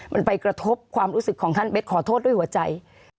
มันไปกระทบความรู้สึกของท่านเบ็ดขอโทษด้วยหัวใจ